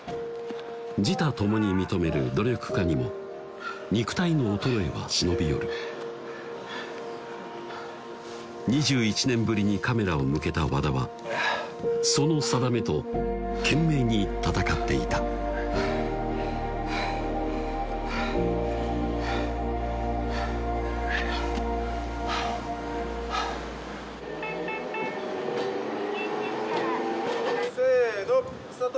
自他共に認める努力家にも肉体の衰えは忍び寄る２１年ぶりにカメラを向けた和田はその定めと懸命に闘っていたせのスタート！